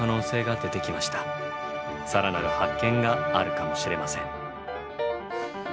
更なる発見があるかもしれません。